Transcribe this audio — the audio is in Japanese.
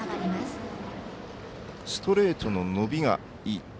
ストレートの伸びがいい